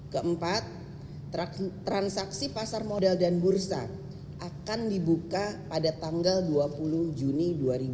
keempat transaksi pasar modal dan bursa akan dibuka pada tanggal dua puluh juni dua ribu dua puluh